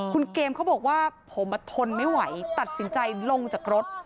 คุณเกมเขาบอกว่าผมทนไม่ไหวตัดสินใจลงจากรถ